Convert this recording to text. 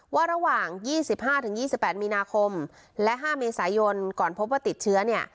ระหว่าง๒๕๒๘มีนาคมและ๕เมษายนก่อนพบว่าติดเชื้อเนี่ย